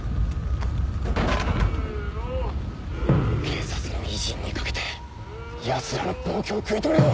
警察の威信に懸けて奴らの暴挙を食い止めるぞ！